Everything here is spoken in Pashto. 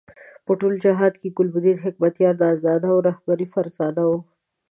په ټول جهاد کې ګلبدین حکمتیار نازدانه او رهبر فرزانه وو.